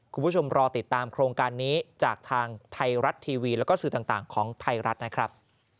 คุณผู้ชมรอติดตามโครงการนี้จากทางไทยรัฐทีวีแล้วก็สื่อต่างของไทยรัฐนะครับ